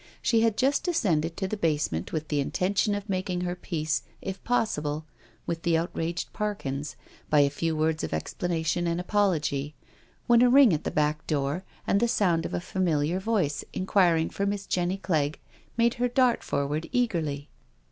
She had just descended to the basement with the intention of making her peace if possible with the outraged Parkins, by a few words of explanation and apology, when a ring at the back door and the sound of a familiar voice inquiring for Miss Jenny Clegg, made her dart forward eagerly.